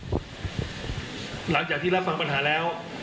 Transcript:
หลังจากที่รับฟังปัญหาแล้ว